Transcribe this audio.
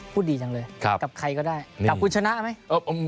พูดดีจังเลยกับใครก็ได้กับคุณชนะไหม